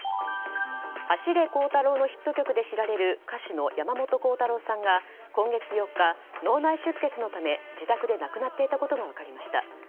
「走れコウタロー」のヒット曲で知られる歌手の山本コウタローさんが今月８日、脳内出血のため自宅で亡くなっていたことが分かりました。